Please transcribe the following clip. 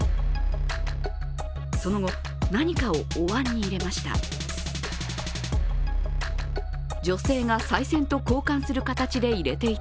その後、何かをお椀に入れました。